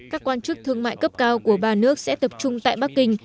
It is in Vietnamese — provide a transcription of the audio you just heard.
các quan chức thương mại cấp cao của ba nước sẽ tập trung tại bắc kinh